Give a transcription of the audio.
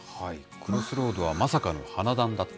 クロスロードは、まさかの花男だった。